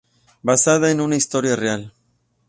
Basada en una historia real.